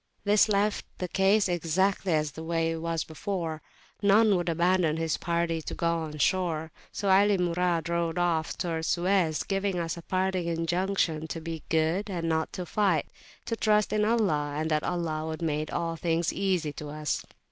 This left the case exactly as it was before; none would abandon his party to go on shore: so Ali Murad rowed off towards Suez, giving us a parting injunction to be good, and not fight ; to trust in Allah, and that Allah would make all things easy to us.